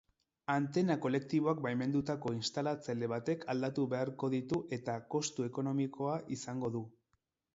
Antena kolektiboak baimendutako instalatzaile batek aldatu beharko ditu eta kostu ekonomikoa izango du.